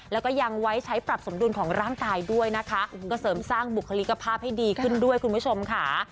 แล้วก็ยังไว้ใช้ปรับสมดุลของร่างกายด้วยนะคะก็เสริมสร้างบุคลิกภาพให้ดีขึ้นด้วยคุณผู้ชมค่ะ